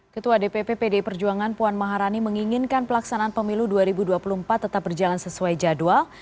ketua dpp pdi perjuangan puan maharani menginginkan pelaksanaan pemilu dua ribu dua puluh empat tetap berjalan sesuai jadwal